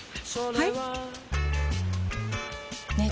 はい！